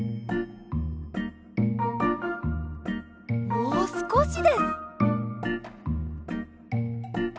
もうすこしです！